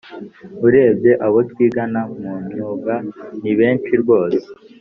urebye abo twigana mu myuga ni benshi rwos